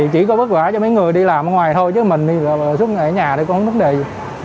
chỉ có bất quả cho mấy người đi làm ở ngoài thôi chứ mình đi ở nhà thì cũng không thành vấn đề gì